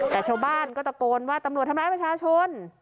แต่ชาวบ้านก็ตะโกนว่าตำรวจทำร้ายประชาชน